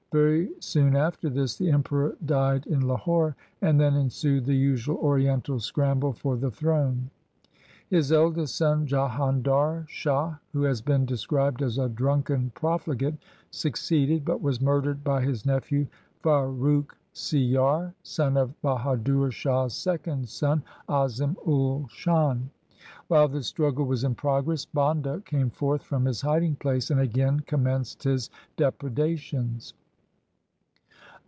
Very soon after this the Emperor died in Lahore, and then ensued the usual Oriental scramble for the throne. His eldest son Jahandar Shah, who has been described as a drunken profligate, succeeded, but was murdered by his nephew Farrukh Siyar, son of Bahadur Shah's second son Azim ul Shan. While this struggle was in progress, Banda came forth from his hiding place and again com menced his depredations.